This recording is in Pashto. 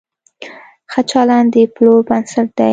ښه چلند د پلور بنسټ دی.